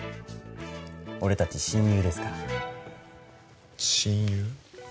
俺達親友ですから親友？